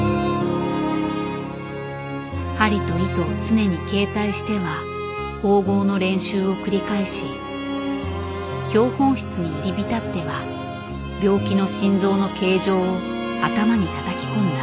針と糸を常に携帯しては縫合の練習を繰り返し標本室に入り浸っては病気の心臓の形状を頭にたたき込んだ。